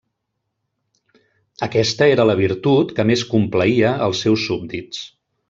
Aquesta era la virtut que més complaïa els seus súbdits.